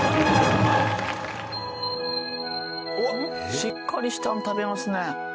しっかりしたの食べますね。